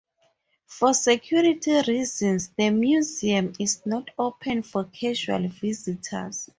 For security reasons, the museum is not open for casual visitors.